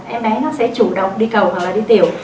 em ấy nó sẽ chủ động đi cầu hoặc là đi tiểu